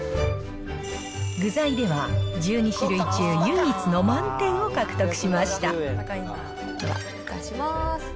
具材では１２種類中唯一の満点を獲得しました。出します。